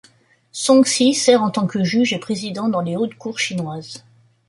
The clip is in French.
Song Ci sert en tant que juge et président dans les hautes cours chinoises.